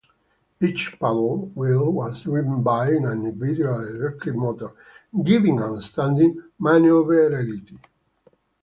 Each paddle wheel was driven by an individual electric motor, giving outstanding maneuverability.